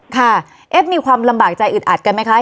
เอฟมีความลำบากใจอึดอัดกันไหมคะ